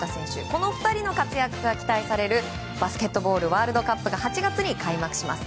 この２人の活躍が期待されるバスケットボールワールドカップが８月に開幕します。